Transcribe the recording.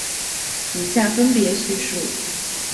以下分别叙述。